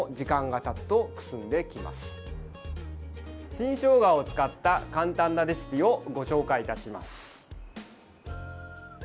新しょうがを使った簡単なレシピをご紹介いたします。